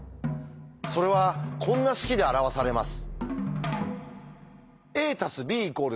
それはこんな式で表されます。